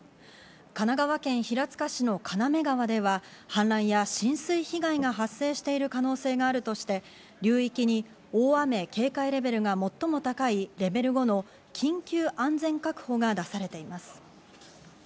神奈川県平塚市の金目川では氾濫や浸水被害が発生している可能性があるとして、流域に大雨警戒レベルが最も高いレベル５の緊急安全確保が出されています。